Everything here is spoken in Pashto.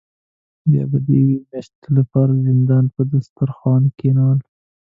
بیا به د یوې میاشتې له پاره د زندان په دسترخوان کینول.